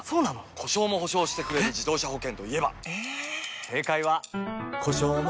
故障も補償してくれる自動車保険といえば？